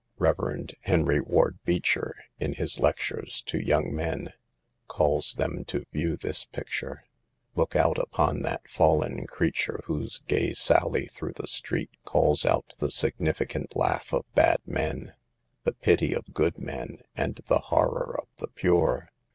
Rev. Henry Ward Beecher, in his Lectures to Young Men, calls them to view this picture :" Look out upon that fallen creature whose gay sally through the street calls out the sig nificant laugh of bad men, the pity of good men, and the horror of the pure.